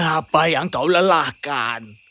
apa yang kau lelahkan